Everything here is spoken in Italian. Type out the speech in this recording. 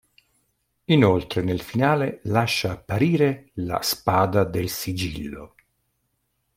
Inoltre nel finale lascia apparire la "Spada del sigillo".